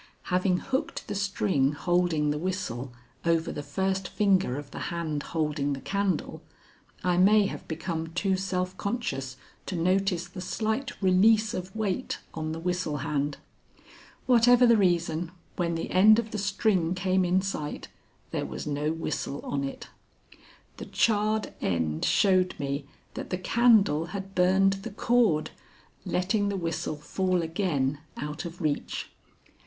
Having hooked the string holding the whistle over the first finger of the hand holding the candle, I may have become too self conscious to notice the slight release of weight on the whistle hand. Whatever the reason, when the end of the string came in sight there was no whistle on it. The charred end showed me that the candle had burned the cord, letting the whistle fall again out of reach.